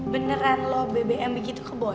beneran lo bebe em begitu ke boy